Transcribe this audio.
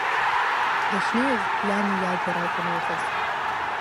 Дахьнеиз иани иаби ракәын иҟаз.